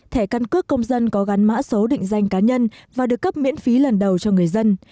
thẻ căn cước công dân có gắn mã số định danh cá nhân và được cấp miễn phí lần đầu cho người dân